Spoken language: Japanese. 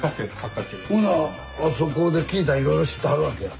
ほんならあそこで聞いたらいろいろ知ってはるわけや。